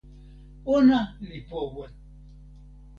ona li powe!